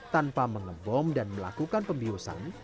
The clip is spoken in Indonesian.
tanpa mengebom dan melakukan pembiusan